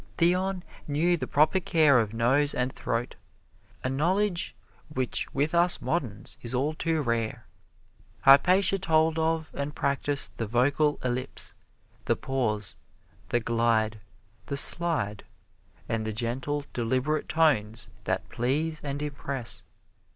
Theon knew the proper care of nose and throat, a knowledge which with us moderns is all too rare. Hypatia told of and practised the vocal ellipse, the pause, the glide, the slide and the gentle, deliberate tones that please and impress.